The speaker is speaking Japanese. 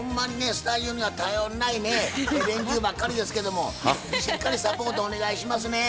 スタジオには頼りないね連中ばっかりですけどもしっかりサポートお願いしますね。